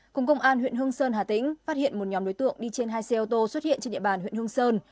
cùng công an huyện hương sơn hà tĩnh phát hiện một nhóm đối tượng đi trên hai xe ô tô xuất hiện trên địa bàn huyện hương sơn